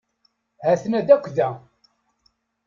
Ha-ten-ad akk da.